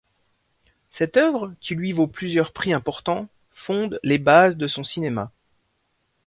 Cette œuvre, qui lui vaut plusieurs prix importants, fonde les bases de son cinéma.